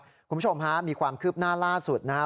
คุณผู้ชมฮะมีความคืบหน้าล่าสุดนะครับ